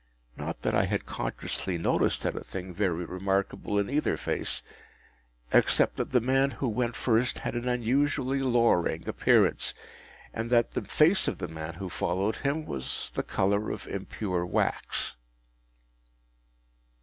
Not that I had consciously noticed anything very remarkable in either face, except that the man who went first had an unusually lowering appearance, and that the face of the man who followed him was of the colour of impure wax.